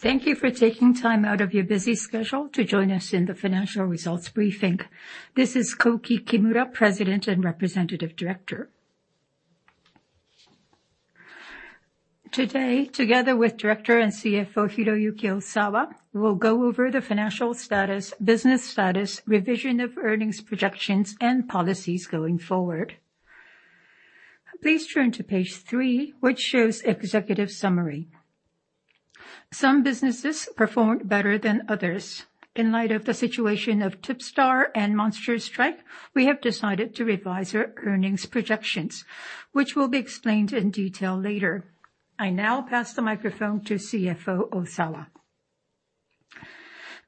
Thank you for taking time out of your busy schedule to join us in the financial results briefing. This is Koki Kimura, President and Representative Director. Today, together with Director and CFO Hiroyuki Osawa, we'll go over the financial status, business status, revision of earnings projections, and policies going forward. Please turn to page three, which shows executive summary. Some businesses performed better than others. In light of the situation of TIPSTAR and Monster Strike, we have decided to revise our earnings projections, which will be explained in detail later. I now pass the microphone to CFO Osawa.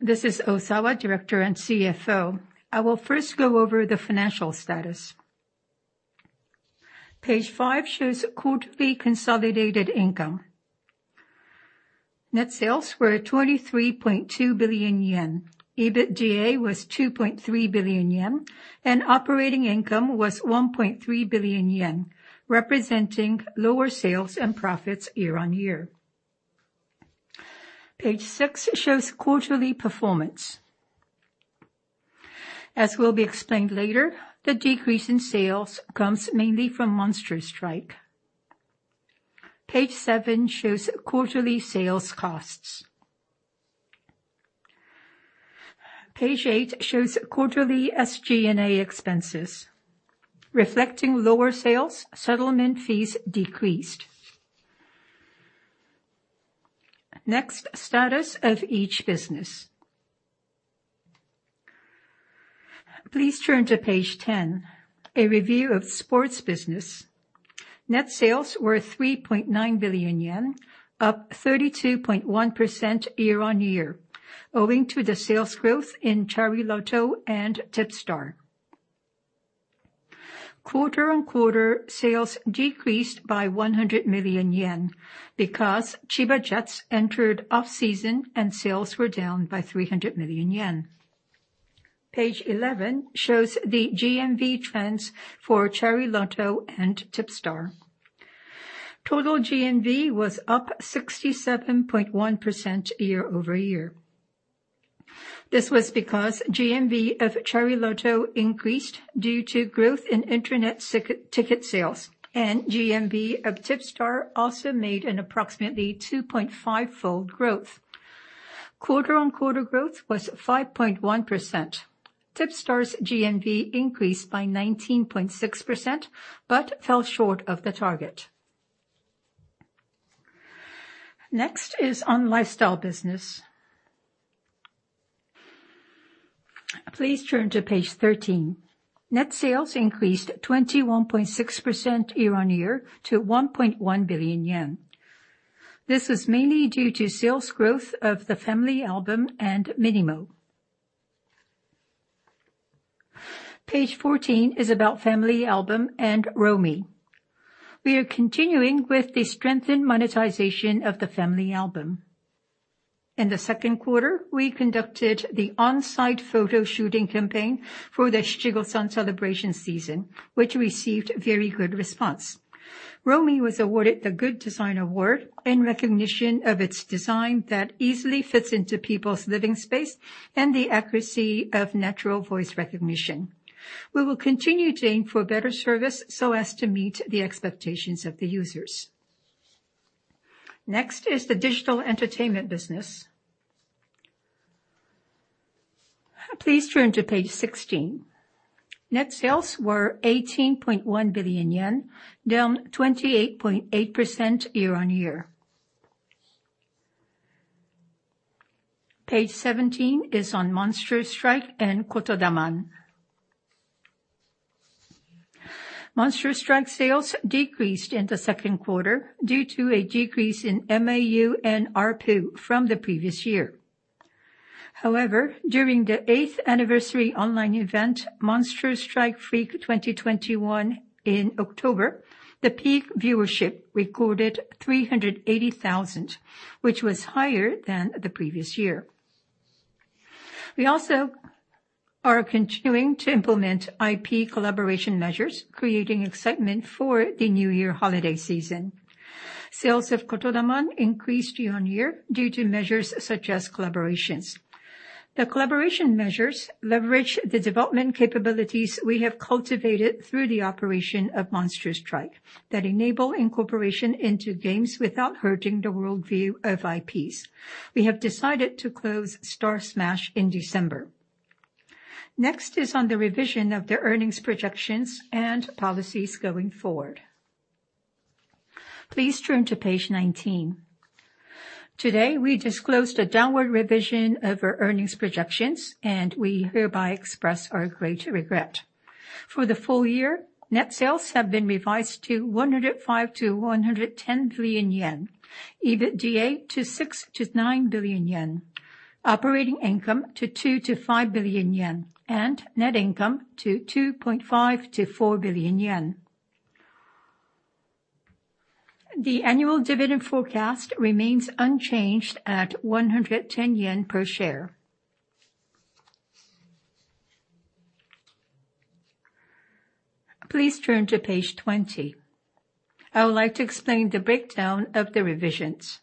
This is Osawa, Director and CFO. I will first go over the financial status. Page five shows quarterly consolidated income. Net sales were 23.2 billion yen. EBITDA was 2.3 billion yen, and operating income was 1.3 billion yen, representing lower sales and profits year-on-year. Page six shows quarterly performance. As will be explained later, the decrease in sales comes mainly from Monster Strike. Page seven shows quarterly sales costs. Page eight shows quarterly SG&A expenses. Reflecting lower sales, settlement fees decreased. Next, status of each business. Please turn to page 10, a review of sports business. Net sales were 3.9 billion yen, up 32.1% year-over-year, owing to the sales growth in Chariloto and TIPSTAR. Quarter-on-quarter, sales decreased by 100 million yen because Chiba Jets entered off-season and sales were down by 300 million yen. Page 11 shows the GMV trends for Chariloto and TIPSTAR. Total GMV was up 67.1% year-over-year. This was because GMV of Chariloto increased due to growth in internet ticket sales, and GMV of TIPSTAR also made an approximately 2.5-fold growth. Quarter-on-quarter growth was 5.1%. TIPSTAR's GMV increased by 19.6%, but fell short of the target. Next is on lifestyle business. Please turn to page 13. Net sales increased 21.6% year-on-year to 1.1 billion yen. This is mainly due to sales growth of the Family Album and minimo. Page 14 is about Family Album and Romi. We are continuing with the strengthened monetization of the Family Album. In the second quarter, we conducted the on-site photo shooting campaign for the Shichi-Go-San celebration season, which received very good response. Romi was awarded the Good Design Award in recognition of its design that easily fits into people's living space and the accuracy of natural voice recognition. We will continue to aim for better service so as to meet the expectations of the users. Next is the digital entertainment business. Please turn to page 16. Net sales were 18.1 billion yen, down 28.8% year-on-year. Page 17 is on Monster Strike and Kotodaman. Monster Strike sales decreased in the second quarter due to a decrease in MAU and ARPU from the previous year. However, during the eighth anniversary online event, Monster Strike Freak 2021 in October, the peak viewership recorded 380,000, which was higher than the previous year. We also are continuing to implement IP collaboration measures, creating excitement for the new year holiday season. Sales of Kotodaman increased year on year due to measures such as collaborations. The collaboration measures leverage the development capabilities we have cultivated through the operation of Monster Strike that enable incorporation into games without hurting the world view of IPs. We have decided to close Star Smash in December. Next is on the revision of the earnings projections and policies going forward. Please turn to page 19. Today, we disclosed a downward revision of our earnings projections, and we hereby express our great regret. For the full year, net sales have been revised to 105 billion-110 billion yen, EBITDA to 6 billion-9 billion yen, operating income to 2 billion-5 billion yen, and net income to 2.5 billion-4 billion yen. The annual dividend forecast remains unchanged at 110 yen per share. Please turn to page 20. I would like to explain the breakdown of the revisions.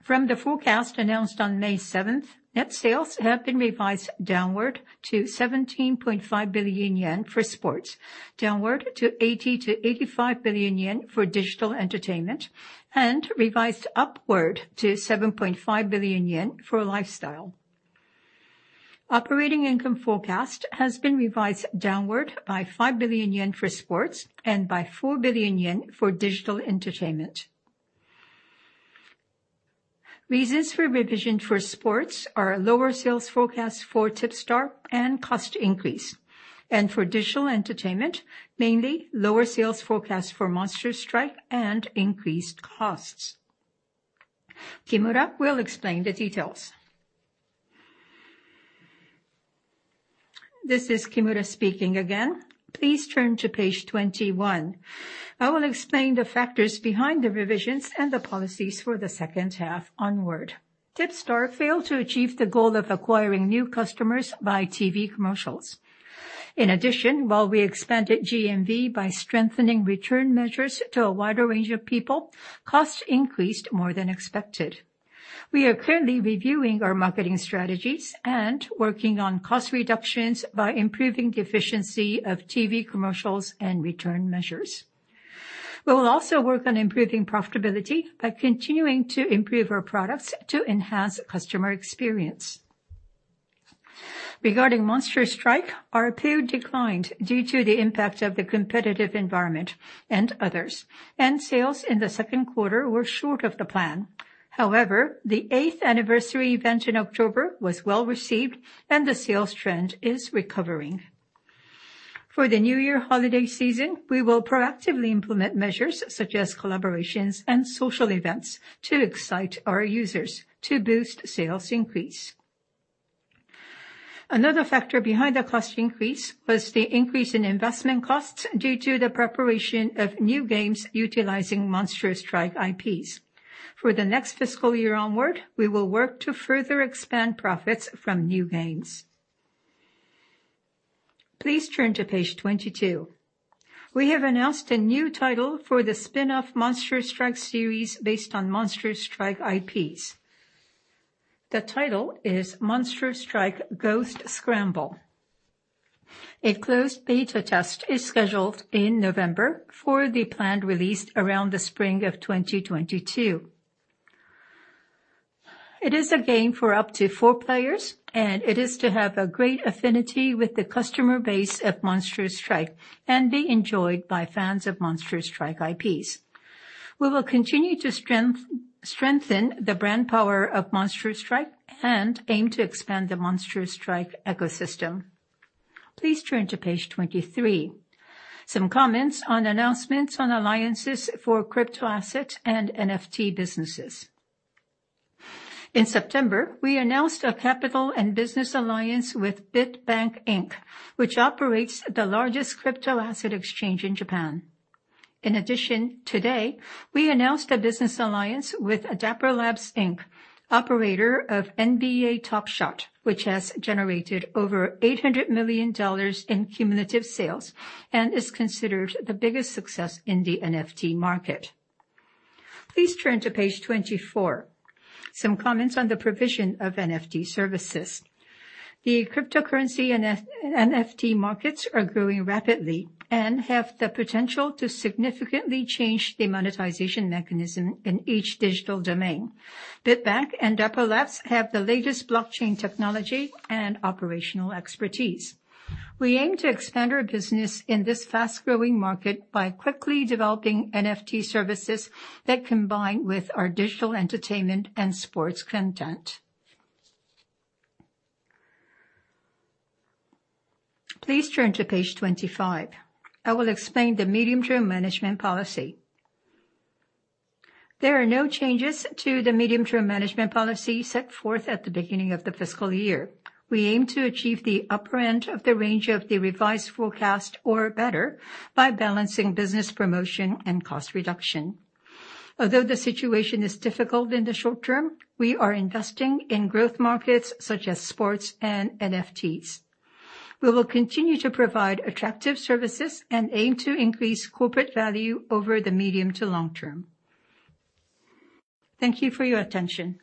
From the forecast announced on May 7th, net sales have been revised downward to 17.5 billion yen for sports, downward to 80 billion-85 billion yen for digital entertainment, and revised upward to 7.5 billion yen for lifestyle. Operating income forecast has been revised downward by 5 billion yen for sports and by 4 billion yen for digital entertainment. Reasons for revision for sports are lower sales forecast for TIPSTAR and cost increase. For digital entertainment, mainly lower sales forecast for Monster Strike and increased costs. Kimura will explain the details. This is Kimura speaking again. Please turn to page 21. I will explain the factors behind the revisions and the policies for the second half onward. TIPSTAR failed to achieve the goal of acquiring new customers by TV commercials. In addition, while we expanded GMV by strengthening return measures to a wider range of people, costs increased more than expected. We are currently reviewing our marketing strategies and working on cost reductions by improving the efficiency of TV commercials and return measures. We will also work on improving profitability by continuing to improve our products to enhance customer experience. Regarding Monster Strike, RPU declined due to the impact of the competitive environment and others, and sales in the second quarter were short of the plan. However, the eighth anniversary event in October was well-received and the sales trend is recovering. For the new year holiday season, we will proactively implement measures such as collaborations and social events to excite our users to boost sales increase. Another factor behind the cost increase was the increase in investment costs due to the preparation of new games utilizing Monster Strike IPs. For the next fiscal year onward, we will work to further expand profits from new games. Please turn to page 22. We have announced a new title for the spin-off Monster Strike series based on Monster Strike IPs. The title is Monster Strike Ghost Scramble. A closed beta test is scheduled in November for the planned release around the spring of 2022. It is a game for up to four players, and it is to have a great affinity with the customer base of Monster Strike and be enjoyed by fans of Monster Strike IPs. We will continue to strengthen the brand power of Monster Strike and aim to expand the Monster Strike ecosystem. Please turn to page 23. Some comments on announcements on alliances for crypto asset and NFT businesses. In September, we announced a capital and business alliance with bitbank, Inc., which operates the largest crypto asset exchange in Japan. In addition, today, we announced a business alliance with Dapper Labs Inc., operator of NBA Top Shot, which has generated over $800 million in cumulative sales and is considered the biggest success in the NFT market. Please turn to page 24. Some comments on the provision of NFT services. The cryptocurrency and NFT markets are growing rapidly and have the potential to significantly change the monetization mechanism in each digital domain. Bitbank, Inc. and Dapper Labs have the latest blockchain technology and operational expertise. We aim to expand our business in this fast-growing market by quickly developing NFT services that combine with our digital entertainment and sports content. Please turn to page 25. I will explain the medium-term management policy. There are no changes to the medium-term management policy set forth at the beginning of the fiscal year. We aim to achieve the upper end of the range of the revised forecast or better by balancing business promotion and cost reduction. Although the situation is difficult in the short term, we are investing in growth markets such as sports and NFTs. We will continue to provide attractive services and aim to increase corporate value over the medium to long term. Thank you for your attention.